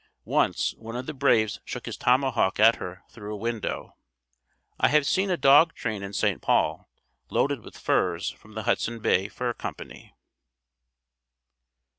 Once one of the braves shook his tomahawk at her through a window. I have seen a dog train in St. Paul, loaded with furs from the Hudson Bay Fur Company.